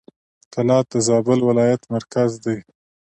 کلات د زابل ولایت مرکز دی.